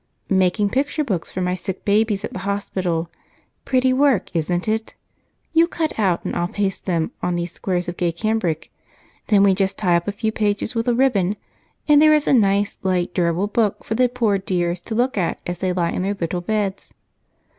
"Making picture books for my sick babies at the hospital. Pretty work, isn't it? You cut out, and I'll paste them on these squares of gay cambric then we just tie up a few pages with a ribbon and there is a nice, light, durable book for the poor dears to look at as they lie in their little beds."